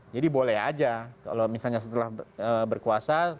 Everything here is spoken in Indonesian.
jadi boleh aja kalau misalnya setelah berkuasa